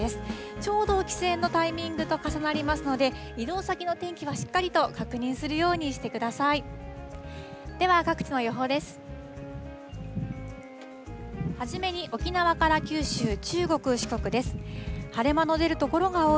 ちょうど帰省のタイミングと重なりますので、移動先の天気はしっかりと確認するようにしてください。